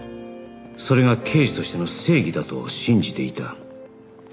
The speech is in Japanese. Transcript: それが刑事としての正義だと信じていた